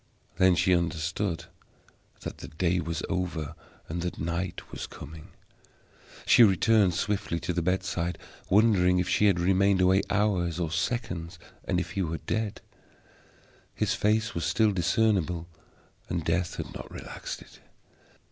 Then she understood that the day was over and that night was coming. She returned swiftly to the bedside, wondering if she had remained away hours or seconds, and if he were dead. His face was still discernible, and Death had not relaxed it.